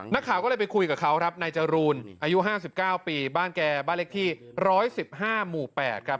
นักข่าก็เลยไปคุยกับเขาครับนายจรูนอายุห้าสิบเก้าปีบ้านแกบ้านเลขที่ร้อยสิบห้าหมู่แปดครับ